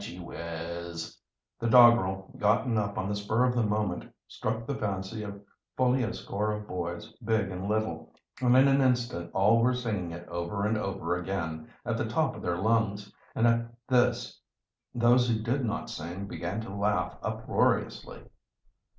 Gee whizz!" The doggerel, gotten up on the spur of the moment, struck the fancy of fully a score of boys, big and little, and in an instant all were singing it over and over again, at the top of their lungs, and at this those who did not sing began to laugh uproariously.